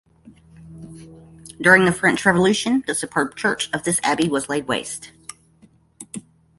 During the French Revolution, the superb church of this abbey was laid waste.